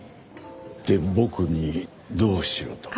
で僕にどうしろと？